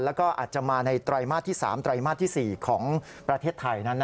แล้วก็อาจจะมาในไตรมาสที่๓ไตรมาสที่๔ของประเทศไทยนั้น